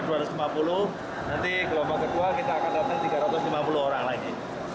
nanti gelombang kedua kita akan datang tiga ratus lima puluh orang lagi